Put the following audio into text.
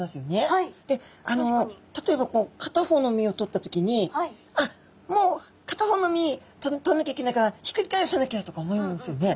例えばこう片方の身を取った時にあっもう片方の身取んなきゃいけないからひっくり返さなきゃとか思いますよね。